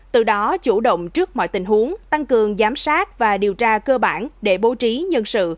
từ đó chủ động trước mọi tình huống tăng cường giám sát và điều tra cơ bản để bố trí nhân sự